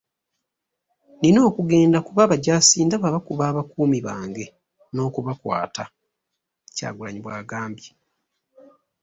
Nina okugenda kuba abajaasi ndaba bakuba abakuumi bange n'okubakwata.” Kyagulanyi bw'agambye.